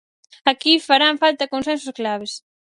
Aquí farán falta consensos claves.